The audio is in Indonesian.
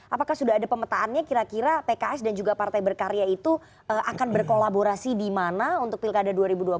apakah sudah ada pemetaannya kira kira pks dan juga partai berkarya itu akan berkolaborasi di mana untuk pilkada dua ribu dua puluh